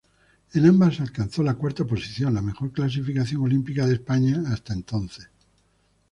En ambas alcanzó la cuarta posición, la mejor clasificación olímpica de España hasta entonces.